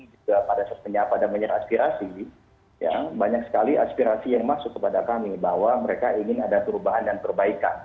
juga pada saat menyapa dan menyerah aspirasi banyak sekali aspirasi yang masuk kepada kami bahwa mereka ingin ada perubahan dan perbaikan